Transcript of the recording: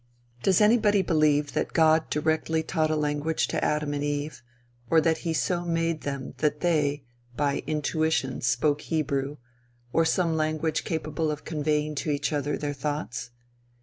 Does anybody believe that God directly taught a language to Adam and Eve, or that he so made them that they, by intuition spoke Hebrew, or some language capable of conveying to each other their thoughts?